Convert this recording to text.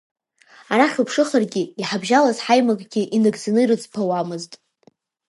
Арахь уԥшыхыр иҳабжьалаз ҳаимакгьы инагӡаны ирыӡбауамызт.